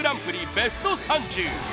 ベスト３０。